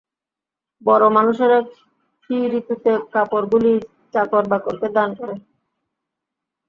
বড় মানুষেরা ফি-ঋতুতে কাপড়গুলি চাকর-বাকরদের দান করে।